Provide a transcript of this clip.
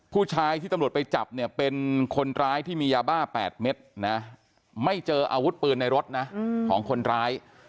ผู้ชายที่ตำรวจไปจับเนี่ยเป็นคนร้ายที่มียาบ้า๘เม็ดนะไม่เจออาวุธปืนในรถนะของคนร้าย